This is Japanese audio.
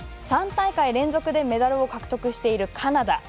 ３大会連続でメダルを獲得しているカナダ。